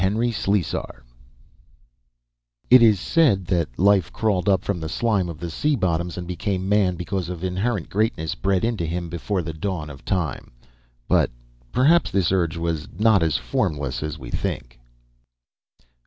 H. LESLIE _It is said that Life crawled up from the slime of the sea bottoms and became Man because of inherent greatness bred into him before the dawn of time. But perhaps this urge was not as formless as we think.